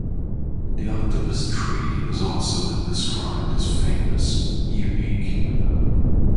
The Octopus Tree has also been described as "famous" and "unique".